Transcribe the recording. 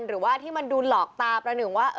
หรือว่าที่มันดูหลอกตาประหนึ่งว่า